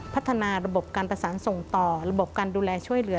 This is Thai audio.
พัฒนาระบบการประสานส่งต่อระบบการดูแลช่วยเหลือ